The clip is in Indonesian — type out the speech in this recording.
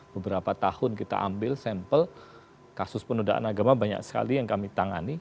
beberapa tahun kita ambil sampel kasus penodaan agama banyak sekali yang kami tangani